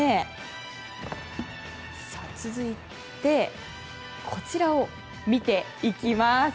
続いて、こちらを見ていきます。